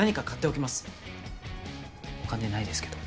お金ないですけど。